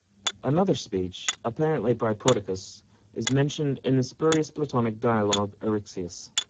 Another speech, apparently by Prodicus, is mentioned in the spurious Platonic dialogue "Eryxias".